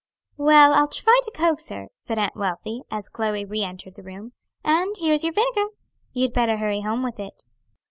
"Well, I'll try to coax her," said Aunt Wealthy, as Chloe re entered the room. "And here's your vinegar. You'd better hurry home with it."